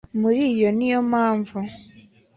muri yo ni yo mpamvu